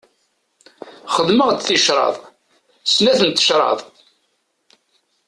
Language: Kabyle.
Xedmeɣ-d ticraḍ, snat n tecraḍ.